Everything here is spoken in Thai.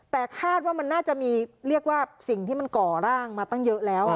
แต่คาดว่ามันน่าจะมีเรียกว่าสิ่งที่มันก่อร่างมาตั้งเยอะแล้ว